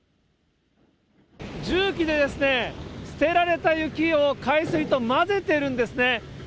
重機で捨てられた雪を海水と混ぜてるんですね。